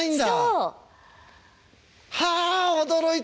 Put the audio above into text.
はあ驚いた。